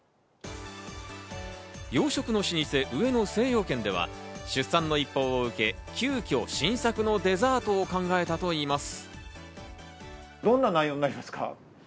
洋食の老舗、上野精養軒では出産の一報を受け、急きょ新作のデザートを考えたといいます。